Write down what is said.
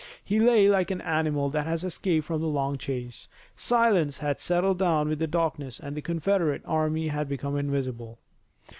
He lay like an animal that has escaped from a long chase. Silence had settled down with the darkness and the Confederate army had become invisible.